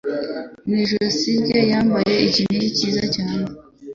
mu ijosi rye yambaye ikinigi cyiza cyane